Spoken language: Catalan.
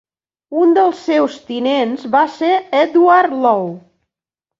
Un dels seus tinents va ser Edward Low.